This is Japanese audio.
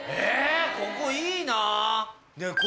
ここいいな！